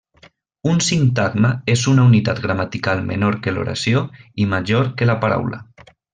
Un sintagma és una unitat gramatical menor que l'oració i major que la paraula.